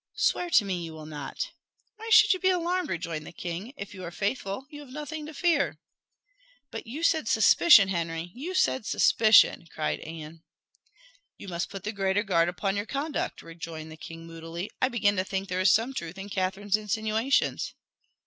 Swear to me you will not!" "Why should you be alarmed?" rejoined the king. "If you are faithful, you have nothing to fear." "But you said suspicion, Henry you said suspicion!" cried Anne. "You must put the greater guard upon your conduct," rejoined the king moodily. "I begin to think there is some truth in Catherine's insinuations."